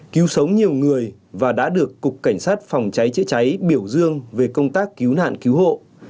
cứu sống nhiều người và đã được cục cảnh sát phòng cháy chữa cháy biểu dương về công tác cứu nạn cứu hộ